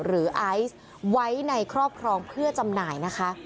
ไอซ์ไว้ในครอบครองเพื่อจำหน่ายนะคะ